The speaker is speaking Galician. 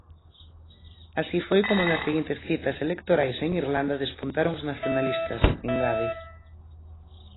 Así foi como nas seguintes citas electorais en Irlanda despuntaron os nacionalistas, engade.